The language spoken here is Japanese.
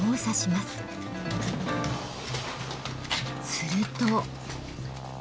すると。